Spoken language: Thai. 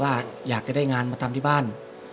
ว่าอยากจะได้งานมาทำที่บ้าน